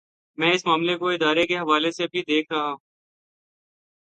میں اس معاملے کو ادارے کے حوالے سے بھی دیکھ رہا ہوں۔